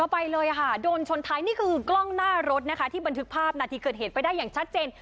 ไปเลยค่ะโดนชนท้ายนี่คือกล้องหน้ารถนะคะที่บันทึกภาพนาทีเกิดเหตุไว้ได้อย่างชัดเจน